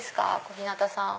小日向さん。